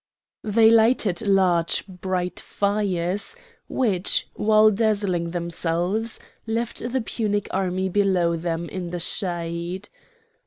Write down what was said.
They lighted large bright fires, which, while dazzling themselves, left the Punic army below them in the shade.